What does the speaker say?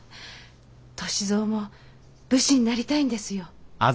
歳三も武士になりたいんですよ。